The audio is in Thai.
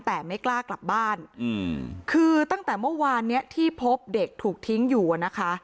แต่ไม่กล้ากลับบ้านอืมคือตั้งแต่เมื่อวานเนี้ยที่พบเด็กถูกทิ้งอยู่อ่ะนะคะ